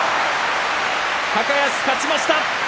高安、勝ちました。